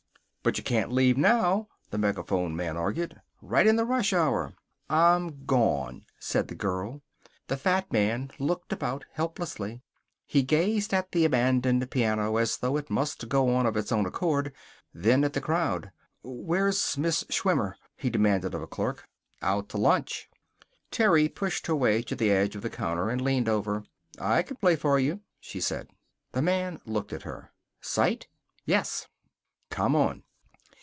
"But you can't leave now," the megaphone man argued. "Right in the rush hour." "I'm gone," said the girl. The fat man looked about, helplessly. He gazed at the abandoned piano, as though it must go on of its own accord. Then at the crowd. "Where's Miss Schwimmer?" he demanded of a clerk. "Out to lunch." Terry pushed her way to the edge of the counter and leaned over. "I can play for you," she said. The man looked at her. "Sight?" "Yes." "Come on."